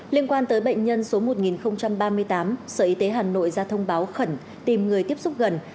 liên quan tới bệnh nhân số một nghìn ba mươi tám sở y tế hà nội ra thông báo khẩn tìm người tiếp xúc gần